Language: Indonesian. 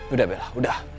udah bella udah